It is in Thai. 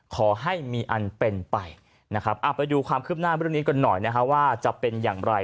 ขอให้มีอันเป็นไปไปดูความคืบหน้าเวลานี้ก่อนหน่อยว่าจะเป็นอย่างไร